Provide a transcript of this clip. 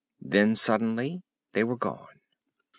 Then suddenly they were gone!